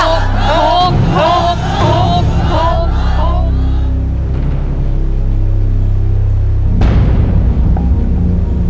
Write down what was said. ถูก